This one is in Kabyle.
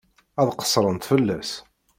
Ad qeṣṣrent fell-as.